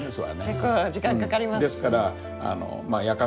結構時間かかりますしね。